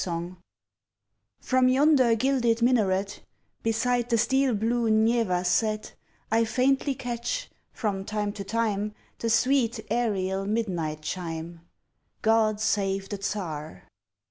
<1> From yonder gilded minaret Beside the steel blue Neva set, I faintly catch, from time to time, The sweet, aerial midnight chime "God save the Tsar!"